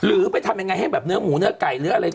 หรือไปทำยังไงให้แบบเนื้อหมูเนื้อไก่หรืออะไร